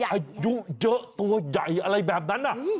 อายุเยอะตัวใหญ่อะไรแบบนั้น